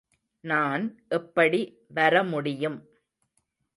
நான் எப்படி வரமுடியும்.